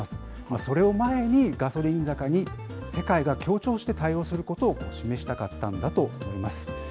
それを前に、ガソリン高に世界が協調して対応することを示したかったんだと思います。